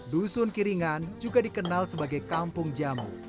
dusun kiringan juga dikenal sebagai kampung jamu